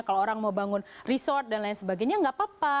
kalau orang mau bangun resort dan lain sebagainya nggak apa apa